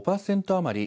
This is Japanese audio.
余り